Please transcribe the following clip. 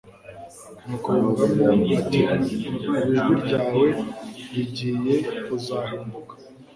nuko yungamo atiubu ijwi ryawe rigiye kuzahinduka